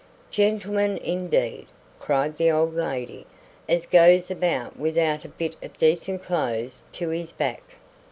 "Gentleman, indeed!" cried the old lady, "as goes about without a bit of decent clothes to his back."